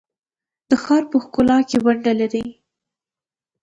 د ښار په ښکلا کې ونډه لري؟